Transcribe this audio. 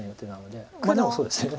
でもそうですよね。